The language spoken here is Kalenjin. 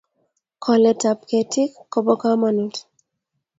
koletap ketik kopo kamanut